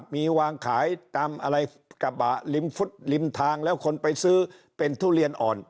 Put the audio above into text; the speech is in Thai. มีวางขายกระบะลิมทางจะใส่คนไปซื้อเป็นทุเรียนอ่อน